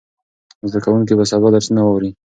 زده کوونکي به سبا درسونه واوري.